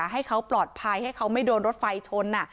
ให้เขาปลอดภัยให้เขาไม่โดนรถไฟชน